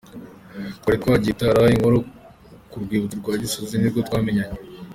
Twari twagiye gutara inkuru ku rwibutso ku gisozi, nibwo twamenyanye.